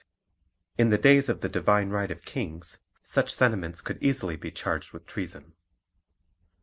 In the days of "the Divine Right of Kings" such sentiments could easily be charged with treason.